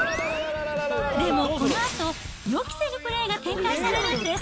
でもこのあと、予期せぬプレーが展開されるんです。